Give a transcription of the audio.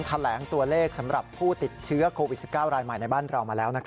แถลงตัวเลขสำหรับผู้ติดเชื้อโควิด๑๙รายใหม่ในบ้านเรามาแล้ว